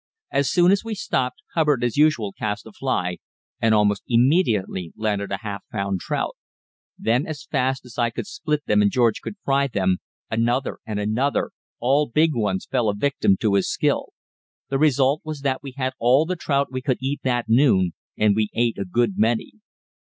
As soon as we stopped, Hubbard, as usual, cast a fly, and almost immediately landed a half pound trout. Then, as fast as I could split them and George fry them, another and another, all big ones, fell a victim to his skill. The result was that we had all the trout we could eat that noon, and we ate a good many.